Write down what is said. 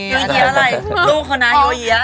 โยเยี๊ยะอะไรลูกของน้าโยเยี๊ยะ